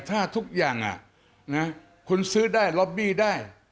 ถ้าทุกอย่างคุณซื้อได้ล็อบบี้ได้